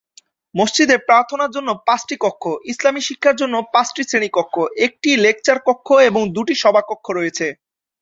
মসজিদে প্রার্থনার জন্য পাঁচটি কক্ষ, ইসলামি শিক্ষার জন্য পাঁচটি শ্রেণি কক্ষ, একটি লেকচার কক্ষ এবং দুটি সভা কক্ষ রয়েছে।